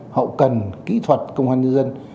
hậu cần kỹ thuật công an nhân dân